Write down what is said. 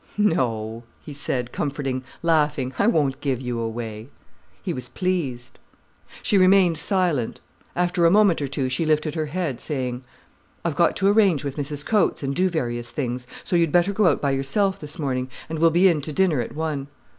"No," he said, comforting, laughing, "I won't give you away." He was pleased. She remained silent. After a moment or two she lifted her head, saying: "I've got to arrange with Mrs Coates, and do various things. So you'd better go out by yourself this morning—and we'll be in to dinner at one."